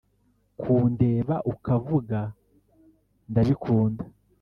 kundeba ukavuga ndabikunda